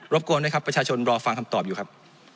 บกวนไหมครับประชาชนรอฟังคำตอบอยู่ครับ